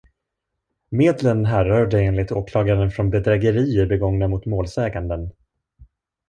Medlen härrörde enligt åklagaren från bedrägerier begångna mot målsäganden.